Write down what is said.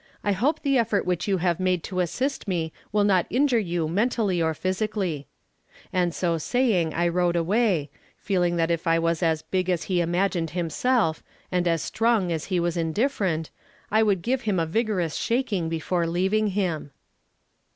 I hope the effort which you have made to assist me will not injure you mentally or physically;" and so saying I rode away, feeling that if I was as big as he imagined himself, and as strong as he was indifferent, I would give him a vigorous shaking before leaving him.